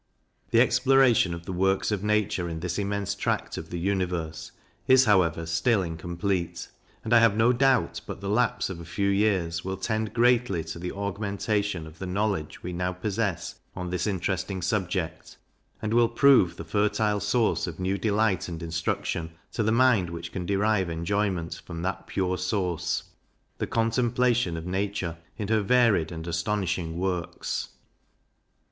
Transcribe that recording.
The exploration of the works of nature in this immense tract of the universe, is however still incomplete; and I have no doubt but the lapse of a few years will tend greatly to the augmentation of the knowledge we now possess on this interesting subject, and will prove the fertile source of new delight and instruction to the mind which can derive enjoyment from that pure source, the contemplation of nature in her varied and astonishing works.